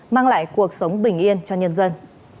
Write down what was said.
mang lại cuộc sống bình yên cho nhân dân